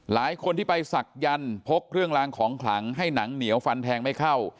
หลายคนที่ไปศักยันต์พกเครื่องลางของขลังให้หนังเหนียวฟันแทงไม่เข้า